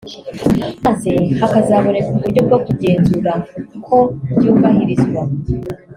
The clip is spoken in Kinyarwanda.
maze hakazaboneka uburyo bwo kugenzura ko byubahirizwa